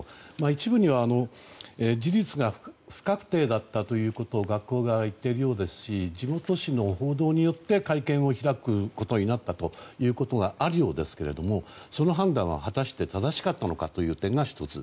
一部には事実が不確定だったということを学校側は言っているようですし地元紙の報道によって会見を開くことになったということがあるようですがその判断は果たして正しかったのかという点が１つ。